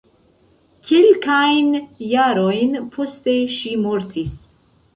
Kelkajn jarojn poste ŝi mortis.